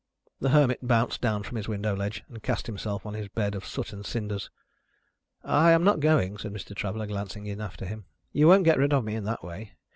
The Hermit bounced down from his window ledge, and cast himself on his bed of soot and cinders. "I am not going," said Mr. Traveller, glancing in after him; "you won't get rid of me in that way.